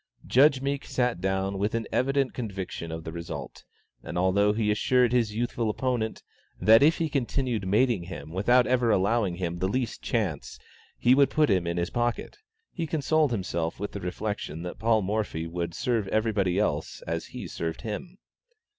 Judge Meek sat down with an evident conviction of the result, and although he assured his youthful opponent, that if he continued mating him without ever allowing him the least chance, he would put him in his pocket, he consoled himself with the reflection that Paul Morphy would serve everybody else as he served him.